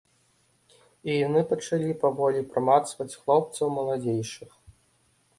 І яны пачалі паволі прамацваць хлопцаў маладзейшых.